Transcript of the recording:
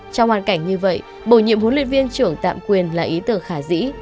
trong hoàn cảnh như vậy bổ nhiệm huấn luyện viên trưởng tạm quyền là ý tưởng khả dĩ